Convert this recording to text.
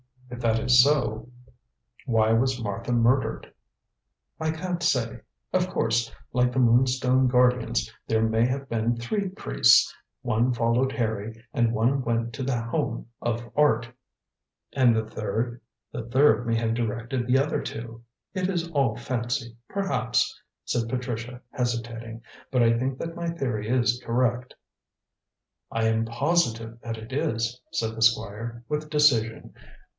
"If that is so, why was Martha murdered?" "I can't say. Of course, like the Moonstone guardians, there may have been three priests. One followed Harry and one went to The Home of Art." "And the third?" "The third may have directed the other two. It is all fancy, perhaps," said Patricia, hesitating; "but I think that my theory is correct." "I am positive that it is," said the Squire, with decision.